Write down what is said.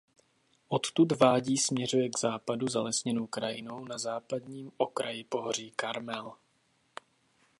Odtud vádí směřuje k západu zalesněnou krajinou na západním okraji pohoří Karmel.